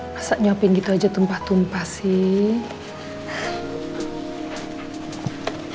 masa nyuapin gitu aja tumpah tumpah sih